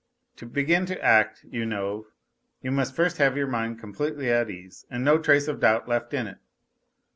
To begin to act, you know, you must first have your mind completely at ease and no trace of doubt left in it.